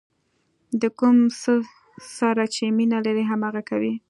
د کوم څه سره چې مینه لرئ هماغه کوئ.